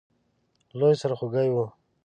لوی سرخوږی وو.